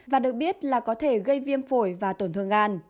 và được biết là có thể gây viêm phổi và tổn thương gan